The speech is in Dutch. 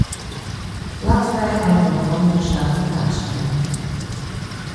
Laten wij aan de onderhandelingstafel plaatsnemen!